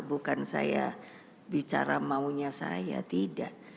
bukan saya bicara maunya saya tidak